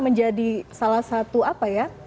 menjadi salah satu apa ya